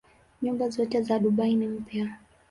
Nyumba zote za Dubai ni mpya.